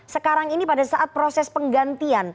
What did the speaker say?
sekarang ini pada saat proses penggantian